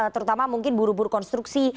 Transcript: terutama mungkin buru buru konstruksi